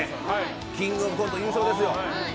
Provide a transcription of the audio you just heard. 「キングオブコント」優勝ですよ。